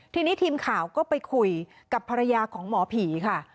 ทีนี้ทีมข่าวก็ไปคุยกับภรรยาของหมอผีค่ะ